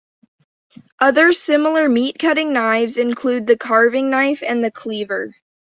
Other similar meat-cutting knives include the carving knife and the cleaver.